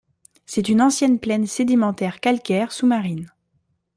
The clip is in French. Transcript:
C'est une ancienne plaine sédimentaire calcaire sous-marine.